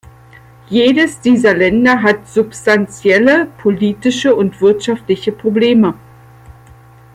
Jedes dieser Länder hat substanzielle politische und wirtschaftliche Probleme.